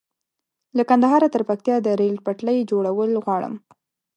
له کندهاره تر پکتيا د ريل پټلۍ جوړول غواړم